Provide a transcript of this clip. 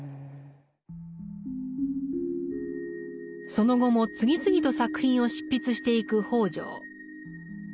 その後も次々と作品を執筆していく北條。